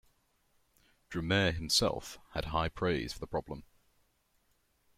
Drumare himself had high praise for the problem.